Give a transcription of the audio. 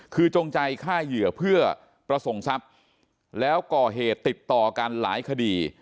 คือจงใจฆ่าเหยื่อเพื่อประสงค์ทรัพย์แล้วก่อเหตุติดต่อกันหลายคดี